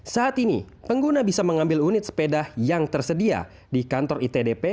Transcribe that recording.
saat ini pengguna bisa mengambil unit sepeda yang tersedia di kantor itdp